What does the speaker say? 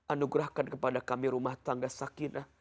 anugerahkan kepada kami rumah tangga sakinah